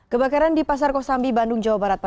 kebakaran di pasar kosambi bandung jawa barat